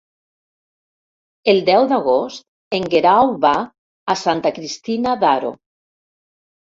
El deu d'agost en Guerau va a Santa Cristina d'Aro.